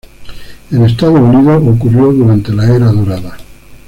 En Estados Unidos ocurrió durante la Era Dorada.